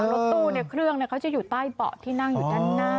รถตู้เครื่องเขาจะอยู่ใต้เบาะที่นั่งอยู่ด้านหน้า